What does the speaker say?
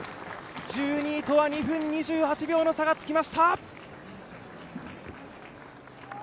１２位とは２分２８秒の差がつきました。